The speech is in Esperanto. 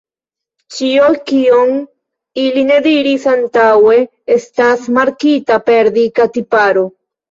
Ĉio, kion ili ne diris antaŭe, estas markita per dika tiparo.